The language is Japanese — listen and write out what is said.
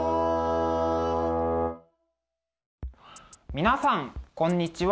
皆さんこんにちは。